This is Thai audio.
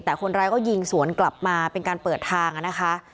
แล้วก็ยิงสวนกลับมาเป็นการเปิดทางอ่ะนะคะ